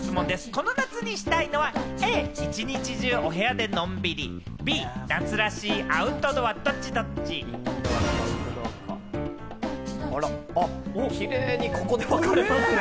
この夏したいのは、Ａ・一日中部屋でのんびり、Ｂ・夏らしいアウトドアでキレイにここでわかれますね。